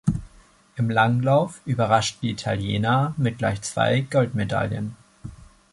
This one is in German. Im Langlauf überraschten die Italiener mit gleich zwei Goldmedaillen.